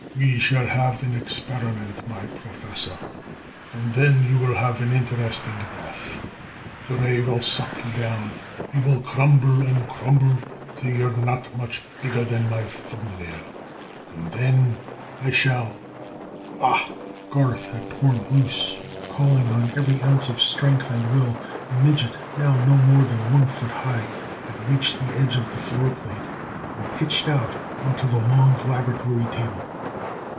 "We shall have an experiment, my Professor; and then you will have an interesting death! The ray will suck you down; you will crumple and crumple till you're not much bigger than my thumbnail! And then I shall ah!" Garth had torn loose. Calling on every ounce of strength and will, the midget, now no more than one foot high, had reached the edge of the floor plate and pitched out onto the long laboratory table.